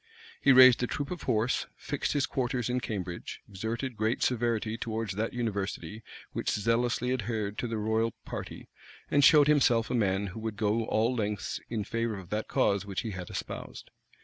He raised a troop of horse; fixed his quarters in Cambridge; exerted great severity towards that university which zealously adhered to the royal party; and showed himself a man who would go all lengths in favor of that cause which he had espoused.